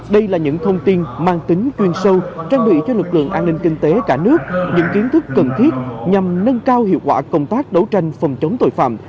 đây là những thông tin mang tính chuyên sâu trang bị cho lực lượng an ninh kinh tế cả nước những kiến thức cần thiết nhằm nâng cao hiệu quả công tác đấu tranh phòng chống tội phạm